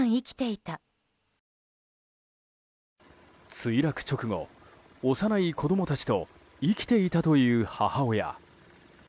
墜落直後、幼い子供たちと生きていたという母親。